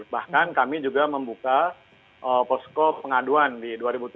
bahkan kami juga membuka posko pengaduan di dua ribu tujuh belas dua ribu delapan belas dua ribu sembilan belas